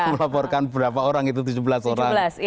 melaporkan berapa orang itu tujuh belas orang